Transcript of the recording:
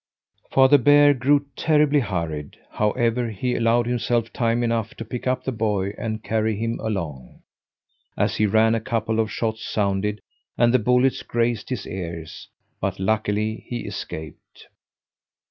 Father Bear grew terribly hurried. However, he allowed himself time enough to pick up the boy and carry him along. As he ran, a couple of shots sounded, and the bullets grazed his ears, but, luckily, he escaped.